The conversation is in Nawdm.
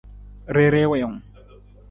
Rere wiwung.